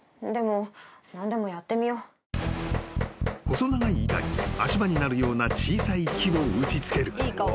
［細長い板に足場になるような小さい木を打ち付ける］